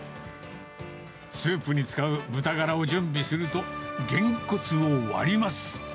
スープに使う豚がらを準備すると、げんこつを割ります。